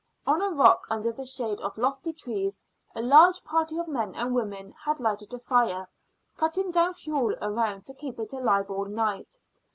On a rock, under the shade of lofty trees, a large party of men and women had lighted a fire, cutting down fuel around to keep it alive all night.